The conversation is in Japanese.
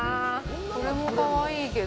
これもかわいいけど。